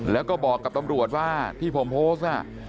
แล้วก็บอกกับตำรวจว่าที่ผมโพสต์น่ะ